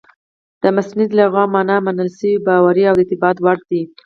د مستند لغوي مانا منل سوى، باوري، او د اعتبار وړ ده.